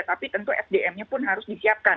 tapi tentu sdm nya pun harus disiapkan